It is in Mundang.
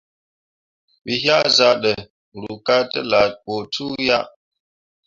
We yea zah ɗə, ruu ka tə laa ɓə cuu ya.